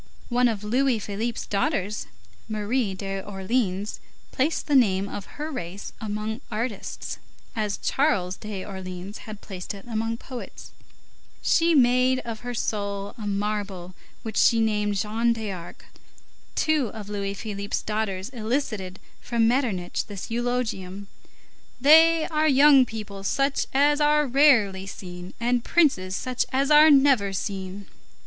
One of Louis Philippe's daughters, Marie d'Orleans, placed the name of her race among artists, as Charles d'Orleans had placed it among poets. She made of her soul a marble which she named Jeanne d'Arc. Two of Louis Philippe's daughters elicited from Metternich this eulogium: "They are young people such as are rarely seen, and princes such as are never seen."